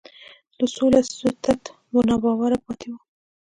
د څو لسیزو تت ناباوره پاتې وو